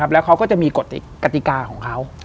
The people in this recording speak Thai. แล้วเขาก็จะมีกฎกติกาของเขา